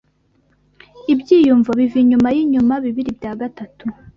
Ibyiyumvo biva inyuma yinyuma bibiri bya gatatu